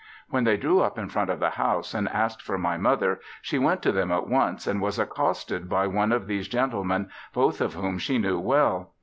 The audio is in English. When they drew up in front of the house and asked for my mother she went to them at once and was accosted by one of these gentlemen, both of whom she knew well.